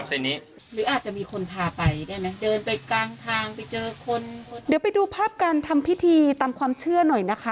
เดี๋ยวไปดูภาพการทำพิธีตามความเชื่อหน่อยนะคะ